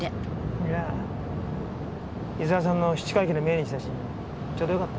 いやぁ伊沢さんの７回忌の命日だしちょうどよかった。